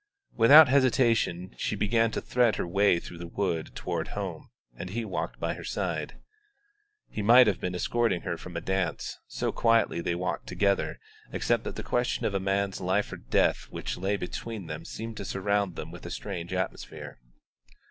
Without hesitation she began to thread her way through the wood toward home, and he walked by her side. He might have been escorting her from a dance, so quietly they walked together, except that the question of a man's life or death which lay between them seemed to surround them with a strange atmosphere.